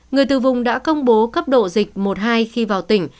người từ vùng đã công bố cấp độ dịch một hai khi vào tỉnh